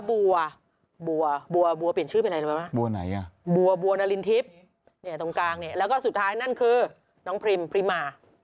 บัวบัวนารินทิพย์ตรงกลางเนี่ยแล้วก็สุดท้ายนั่นคือน้องพริมพริมหมา